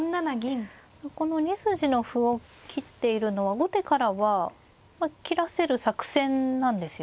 この２筋の歩を切っているのは後手からは切らせる作戦なんですよね。